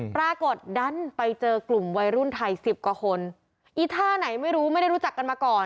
ปรากฏดันไปเจอกลุ่มวัยรุ่นไทยสิบกว่าคนอีท่าไหนไม่รู้ไม่ได้รู้จักกันมาก่อน